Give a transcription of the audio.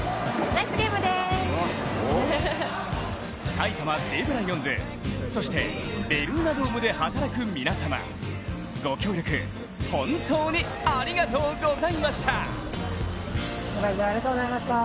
埼玉西武ライオンズそして、ベルーナドームで働く皆様ご協力、本当にありがとうございました！